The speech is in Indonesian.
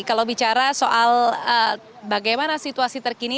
kalau bicara soal bagaimana situasi terkini